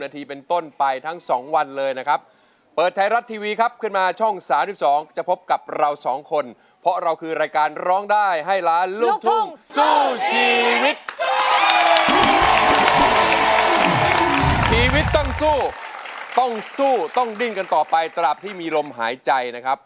ต้องดิ้นกันต่อไปตลอดที่มีลมหายใจนะครับ